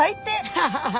アハハハ！